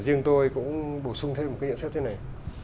riêng tôi cũng bổ sung thêm một cái nhận xét thế này